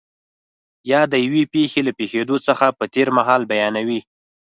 یا د یوې پېښې له پېښېدو څخه په تېر مهال بیانوي.